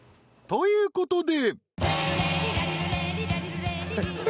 ［ということで］